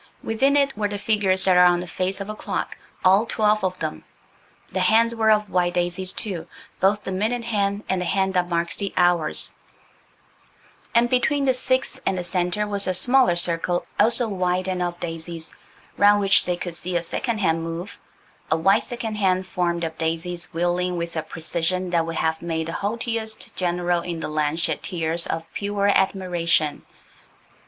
Within it were the figures that are on the face of a clock–all twelve of them. The hands were of white daisies, too, both the minute hand and the hand that marks the hours, and between the VI and the centre was a smaller circle, also white and of daisies–round which they could see a second hand move–a white second hand formed of daisies wheeling with a precision that would have made the haughtiest general in the land shed tears of pure admiration.